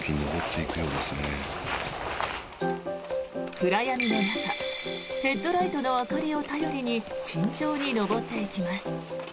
暗闇の中ヘッドライトの明かりを頼りに慎重に登っていきます。